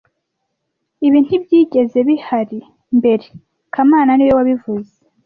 Ibi ntibyigeze bihari mbere kamana niwe wabivuze